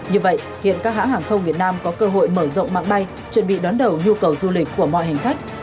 như vậy hiện các hãng hàng không việt nam có cơ hội mở rộng mạng bay chuẩn bị đón đầu nhu cầu du lịch của mọi hành khách